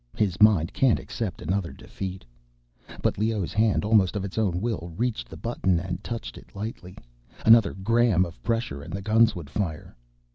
His mind can't accept another defeat. But Leoh's hand, almost of its own will, reached the button and touched it lightly. Another gram of pressure and the guns would fire.